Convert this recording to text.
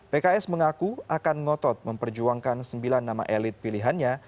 pks mengaku akan ngotot memperjuangkan sembilan nama elit pilihannya